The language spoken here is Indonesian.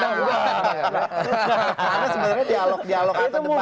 karena sebenarnya dialog dialog atau debat